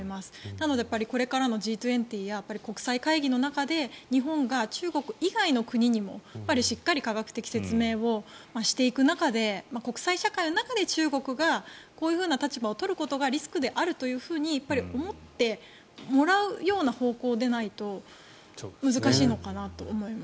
なのでこれからのＧ２０や国際会議の中で日本が中国以外の国にもしっかり科学的説明をしていく中で国際社会の中で中国がこういう立場を取ることがリスクであると思ってもらうような方向でないと難しいのかなと思います。